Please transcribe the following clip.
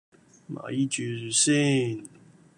咪住先